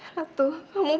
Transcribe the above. ratu kamu berdua